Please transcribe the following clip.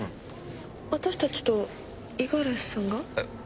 私たちと五十嵐さんが？えっ？